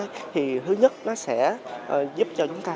thì thứ nhất nó sẽ giúp cho chúng ta